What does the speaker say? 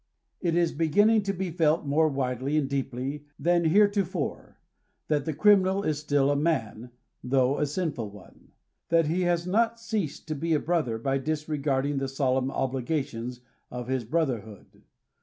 It is beginning to be felt more widely and deeply than hereto fore, that the criminal is still a man, though a sinful one ; that he has not ceased to be a brother by disregarding the solemn obligations of his brotherhood.